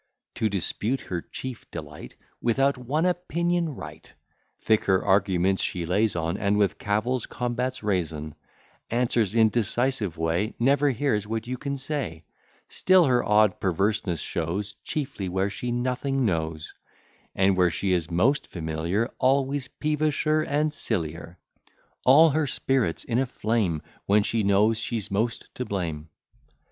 To dispute, her chief delight, Without one opinion right: Thick her arguments she lays on, And with cavils combats reason; Answers in decisive way, Never hears what you can say; Still her odd perverseness shows Chiefly where she nothing knows; And, where she is most familiar, Always peevisher and sillier; All her spirits in a flame When she knows she's most to blame.